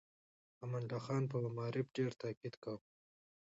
امان الله خان په معارف ډېر تاکيد کاوه.